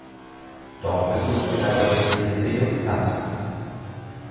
Dort besuchte er das "liceo Tasso".